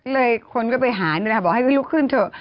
เลยคนก็ไปหาบอกให้เขาลุกขึ้นเถอะ